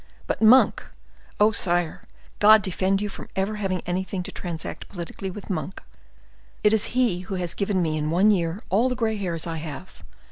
But Monk! Oh, sire, God defend you from ever having anything to transact politically with Monk. It is he who has given me, in one year, all the gray hairs I have.